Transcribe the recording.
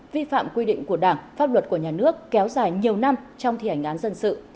vi phạm quy định của đảng pháp luật của nhà nước kéo dài nhiều năm trong thi hành án dân sự